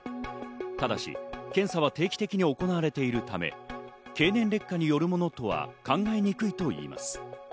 ただし、検査は定期的に行われているため、経年劣化によるものとは考えにくいといいます。